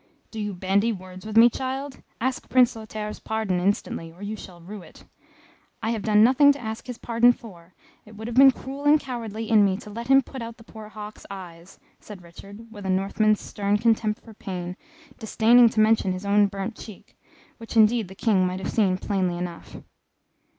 "Do you bandy words with me, child? Ask Prince Lothaire's pardon instantly, or you shall rue it." "I have done nothing to ask his pardon for. It would have been cruel and cowardly in me to let him put out the poor hawk's eyes," said Richard, with a Northman's stern contempt for pain, disdaining to mention his own burnt cheek, which indeed the King might have seen plainly enough.